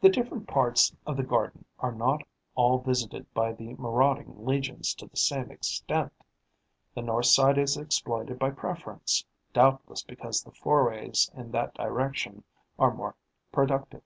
The different parts of the garden are not all visited by the marauding legions to the same extent: the north side is exploited by preference, doubtless because the forays in that direction are more productive.